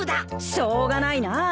しょうがないなあ。